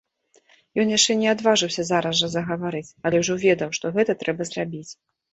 Ён яшчэ не адважыўся зараз жа загаварыць, але ўжо ведаў, што гэта трэба зрабіць.